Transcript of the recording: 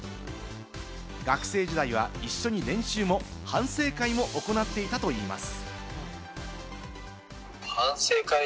学生時代は一緒に練習も、反省会も行っていたといいます。